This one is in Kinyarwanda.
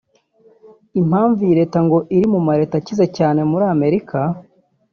Impamvu iyi Leta ngo iri mu ma leta akize cyane muri Amerika